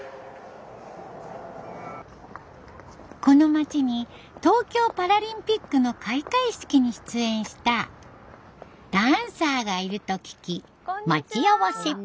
この町に東京パラリンピックの開会式に出演したダンサーがいると聞き待ち合わせ。